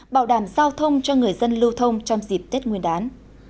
bảo đảm giao thông cho người dân lưu thông trong dịp tết nguyên đán